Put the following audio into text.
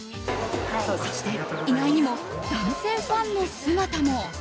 そして意外にも男性ファンの姿も。